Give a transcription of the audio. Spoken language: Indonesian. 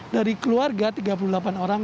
dari keluarga tiga puluh delapan orang